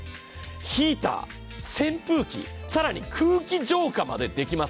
ヒーター、扇風機、更に空気浄化までできます。